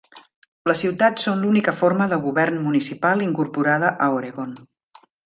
Les ciutats són l'única forma de govern municipal incorporada a Oregon.